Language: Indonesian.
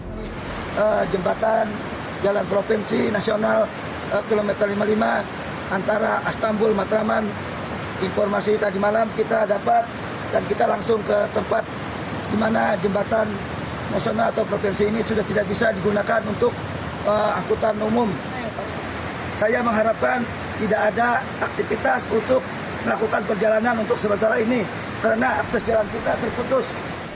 untuk sebetulnya ini karena akses jalan kita terputus